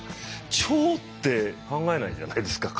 腸って考えないじゃないですか。